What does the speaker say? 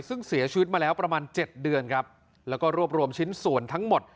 ซึ่งเสียชีวิตมาแล้วประมาณเจ็ดเดือนครับแล้วก็รวบรวมชิ้นส่วนทั้งหมด